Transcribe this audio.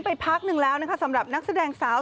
ไปพักนึงแล้วสำหรับนักแสดงสาว